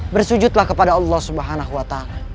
bersujudlah kepada allah swt